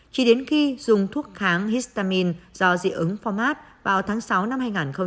chỉ đến khi dùng thuốc kháng histamine do dị ứng format vào tháng sáu năm hai nghìn hai mươi